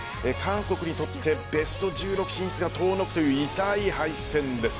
韓国にとってベスト１６進出が遠のくという痛い敗戦です。